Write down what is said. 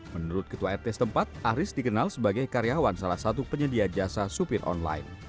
menurut ketua rt setempat aris dikenal sebagai karyawan salah satu penyedia jasa supir online